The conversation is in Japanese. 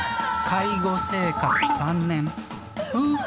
介護生活３年夫婦